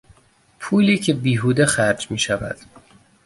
پولی که بیهوده خرج میشود